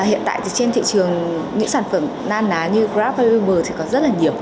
hiện tại thì trên thị trường những sản phẩm nan ná như grab hay uber thì có rất là nhiều